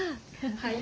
はい。